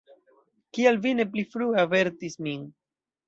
Kial vi ne pli frue avertis min?